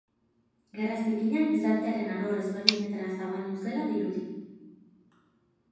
Gerra zikina gizartearen alor ezberdinetara zabaldu zela dirudi.